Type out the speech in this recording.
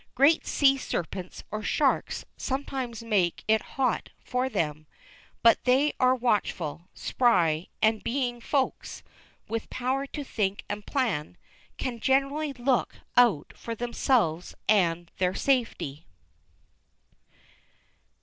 Great sea serpents or sharks sometimes make it hot for them, but they are watchful, spry, and being "Folks," with power to think and plan, can generally look out for themselves and their safety.